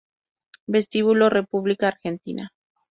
Vestíbulo República Argentina